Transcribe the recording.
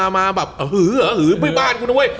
อ๋อมาแบบหื้อหื้อไม่เป็นบ้านคุณนะเว้ย